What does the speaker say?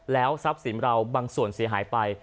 ทรัพย์สินเราบางส่วนเสียหายไป